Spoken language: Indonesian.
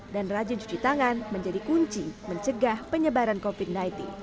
dan rajin cuci tangan menjadi kunci mencegah penyebaran covid sembilan belas